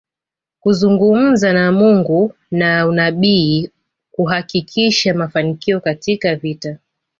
Kuzungumza na Mungu na unabii kuhakikisha mafanikio katika vita